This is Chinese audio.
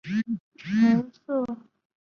侏儒蚺属而设。